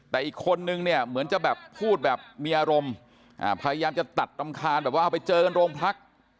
แต่อีกคนนึงเนี่ยเหมือนจะแบบพูดแบบมีอารมณ์พยายามจะตัดรำคาญแบบว่าเอาไปเจอกันโรงพัก